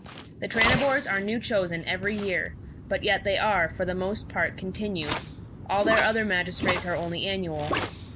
The Tranibors are new chosen every year, but yet they are, for the most part, continued; all their other magistrates are only annual.